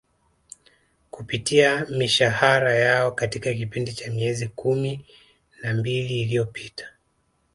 kupitia mishahara yao katika kipindi cha miezi kumi na mbili iliopita